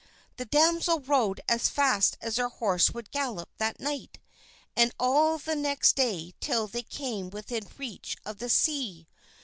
The damsel rode as fast as her horse would gallop that night and all the next day till they came within reach of the sea.